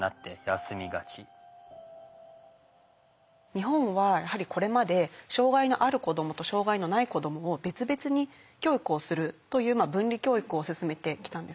日本はやはりこれまで障害のある子どもと障害のない子どもを別々に教育をするという分離教育を進めてきたんですね。